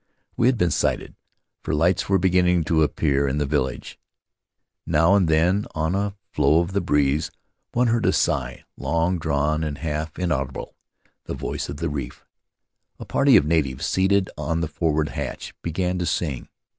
We had been sighted, for lights were beginning to appear in the The Land of Ahu Ahu village; now and then, on a flaw of the breeze, one heard a sigh, long drawn and half inaudible — the voice of the reef. A party of natives, seated on the forward hatch, began to sing.